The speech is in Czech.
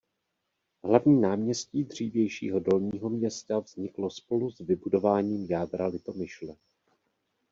Hlavní náměstí dřívějšího Dolního Města vzniklo spolu s vybudováním jádra Litomyšle.